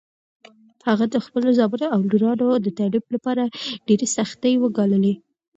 هغه د خپلو زامنو او لورانو د تعلیم لپاره ډېرې سختۍ وګاللې.